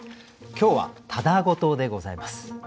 今日は「ただごと」でございます。